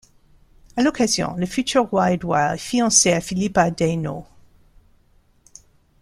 À l'occasion, le futur roi Édouard est fiancé à Philippa de Hainaut.